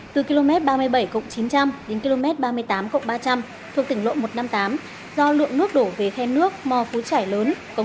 từ km ba mươi bảy chín trăm linh đến km ba mươi tám ba trăm linh thuộc tỉnh lộ một trăm năm mươi tám do lượng nước đổ về khen nước mò phú trải lớn